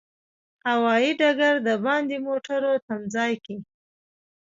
هوایي ډګر د باندې موټرو تمځای کې.